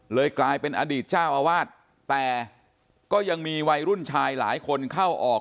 กลายเป็นอดีตเจ้าอาวาสแต่ก็ยังมีวัยรุ่นชายหลายคนเข้าออก